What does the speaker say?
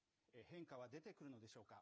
変化は出てくるのでしょうか。